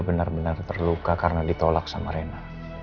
benar benar terluka karena ditolak sama rena